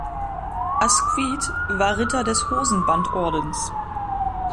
Asquith war Ritter des Hosenbandordens.